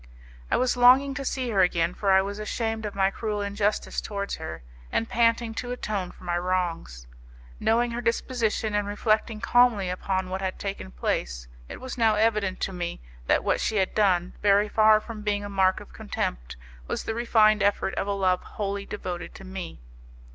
I was longing to see her again, for I was ashamed of my cruel injustice towards her, and panting to atone for my wrongs. Knowing her disposition, and reflecting calmly upon what had taken place, it was now evident to me that what she had done, very far from being a mark of contempt, was the refined effort of a love wholly devoted to me.